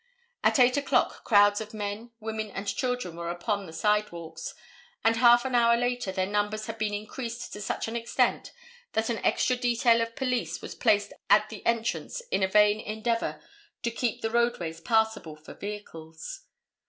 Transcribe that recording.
At 8 o'clock crowds of men, women and children were upon the sidewalks, and half an hour later their numbers had been increased to such an extent that an extra detail of police was placed at the entrance in a vain endeavor to keep the roadways passable for vehicles.